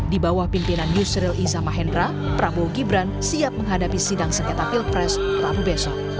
di bawah pimpinan yusril iza mahendra prabowo gibran siap menghadapi sidang sengketa pilpres rabu besok